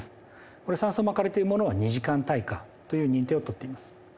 これ、３層巻かれているものは２時間耐火という認定を取っています。